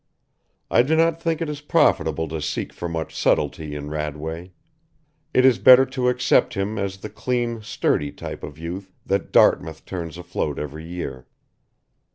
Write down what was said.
I do not think it is profitable to seek for much subtlety in Radway. It is better to accept him as the clean sturdy type of youth that Dartmouth turns afloat every year.